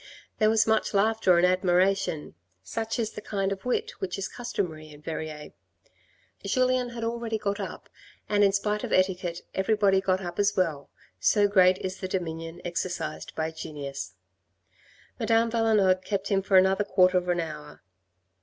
There was much laughter and admiration ; such is the kind of wit which is customary in Verrieres. Julien had already got up and in spite of etiquette everybody got up as well, so great is the dominion exercised by genius. Madame Valenod kept him for another quarter of an hour.